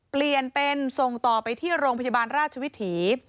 เปลี่ยนเป็นส่งต่อไปที่โรงพยาบาลราชวิถี